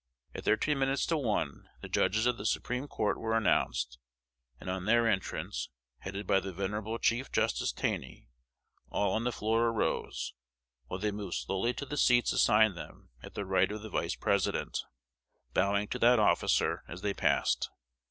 At thirteen minutes to one, the Judges of the Supreme Court were announced; and on their entrance, headed by the venerable Chief Justice Taney, all on the floor arose, while they moved slowly to the seats assigned them at the right of the Vice President, bowing to that officer as they passed.